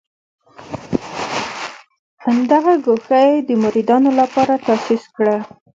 دغه ګوښه یې د مریدانو لپاره تاسیس کړه.